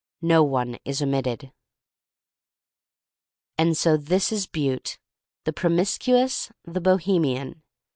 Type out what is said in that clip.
No one is omitted. And so this is Butte, the promis cuous — the Bohemian.